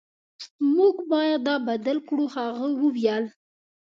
موږ باید دا بدل کړو هغه وویل